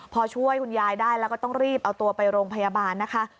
พอช่วยคุณยายได้แล้วก็ต้องรีบเอาตัวไปโรงพยาบาลนะคะ